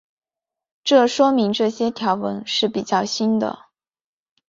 这说明这些条纹是比较新的。